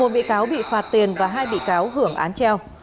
một mươi một bị cáo bị phạt tiền và hai bị cáo hưởng án treo